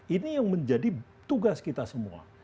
ini yang menjadi tugas kita semua